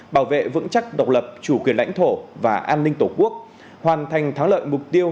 bảo vệ vững chắc độc lập chủ quyền lãnh thổ và an ninh tổ quốc hoàn thành thắng lợi mục tiêu